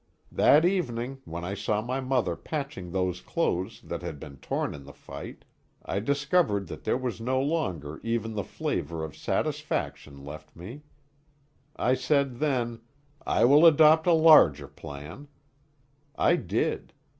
That evening, when I saw my mother patching those clothes that had been torn in the fight, I discovered that there was no longer even the flavor of satisfaction left me. I said then, 'I will adopt a larger plan.' I did.